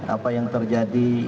apa yang terjadi